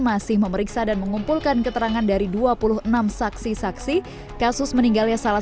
masih memeriksa dan mengumpulkan keterangan dari dua puluh enam saksi saksi kasus meninggalnya salah